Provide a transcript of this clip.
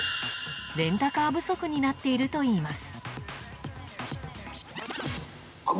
レンタカー不足になっているといいます。